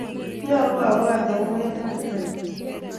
Nyalu apwat akopo inendet anyun.